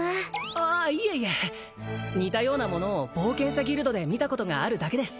ああいえいえ似たようなものを冒険者ギルドで見たことがあるだけです